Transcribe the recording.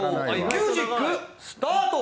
ミュージックスタート。